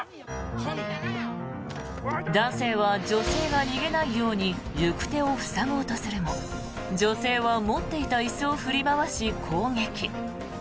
男性は、女性が逃げないように行く手を塞ごうとするも女性は持っていた椅子を振り回し攻撃。